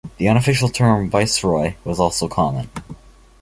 The unofficial term Viceroy was also common.